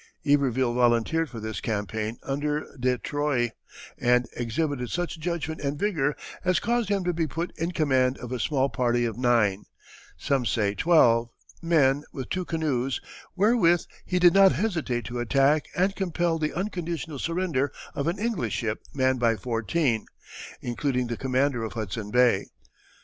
Iberville volunteered for this campaign under De Troye, and exhibited such judgment and vigor as caused him to be put in command of a small party of nine, some say twelve, men with two canoes, wherewith he did not hesitate to attack and compel the unconditional surrender of an English ship manned by fourteen, including the commander of Hudson Bay.